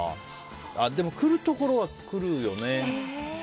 でも、来るところは来るよね。